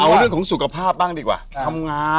เอาเรื่องของสุขภาพบ้างดีกว่าทำงาน